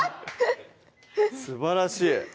すばらしい！